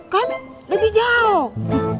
kan lebih jauh